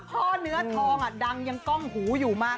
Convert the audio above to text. เนื้อทองดังยังกล้องหูอยู่มาก